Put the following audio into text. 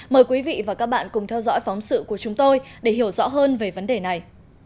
mời quý vị và các bạn cùng theo dõi phóng sự của chúng tôi để hiểu rõ hơn về vấn đề này